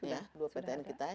ada dua kapus